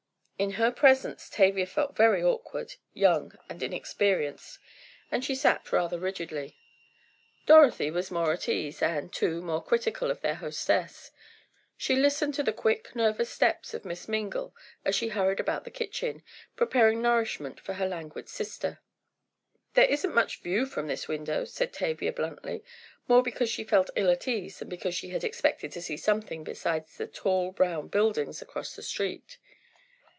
In her presence Tavia felt very awkward, young and inexperienced, and she sat rather rigidly. Dorothy was more at ease and, too, more critical of their hostess. She listened to the quick, nervous steps of Miss Mingle as she hurried about the kitchen, preparing nourishment for her languid sister. "There isn't much view from this window," said Tavia bluntly, more because she felt ill at ease than because she had expected to see something besides the tall, brown buildings across the street.